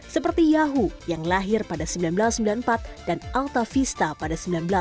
seperti yahoo yang lahir pada seribu sembilan ratus sembilan puluh empat dan alta vista pada seribu sembilan ratus sembilan puluh